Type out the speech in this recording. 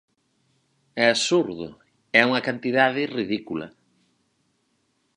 É absurdo, é unha cantidade ridícula!